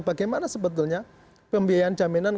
bagaimana sebetulnya pembiayaan jaminan